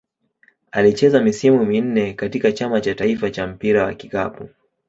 Alicheza misimu minne katika Chama cha taifa cha mpira wa kikapu.